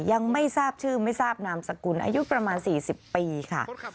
ยังไม่ทราบชื่อไม่ทราบนามสกุลอายุประมาณ๔๐ปีค่ะ